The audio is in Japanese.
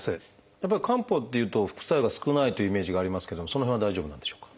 やっぱり漢方っていうと副作用が少ないというイメージがありますけどもその辺は大丈夫なんでしょうか？